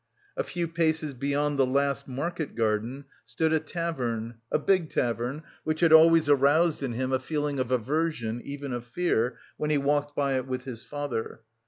A few paces beyond the last market garden stood a tavern, a big tavern, which had always aroused in him a feeling of aversion, even of fear, when he walked by it with his father.